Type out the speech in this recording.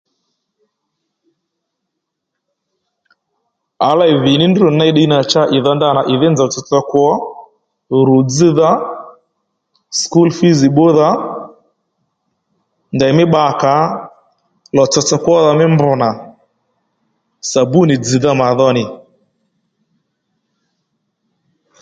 À lêy dhì ní ndrǔ nì ney ddiy nà cha ì dho ndanà ì dhí nzòw tsotso kwo rù dzídha skul fiz bbúdha ndèymí bba kà ó lò tsotso kwódha mí mbr nà sàbúnì dzz̀dha mà dho nì